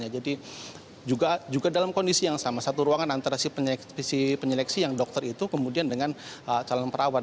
jadi juga dalam kondisi yang sama satu ruangan antara si penyeleksi yang dokter itu kemudian dengan calon perawat